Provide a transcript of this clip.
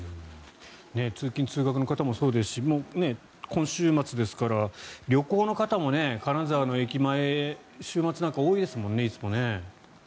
通勤・通学の方もそうですし今週末ですから旅行の方も金沢の駅前週末なんかは多いですもんね、いつもね。